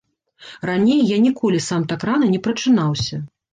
Раней я ніколі сам так рана не прачынаўся.